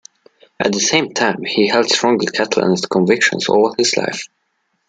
At the same time, he held strongly Catalanist convictions all his life.